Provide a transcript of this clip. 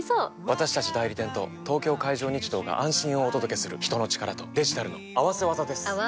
私たち代理店と東京海上日動が安心をお届けする人の力とデジタルの合わせ技です！